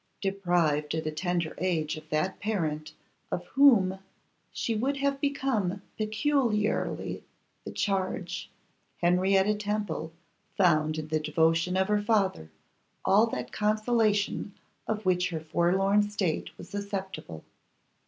Deprived at a tender age of that parent of whom she would have become peculiarly the charge, Henrietta Temple found in the devotion of her father all that consolation of which her forlorn state was susceptible.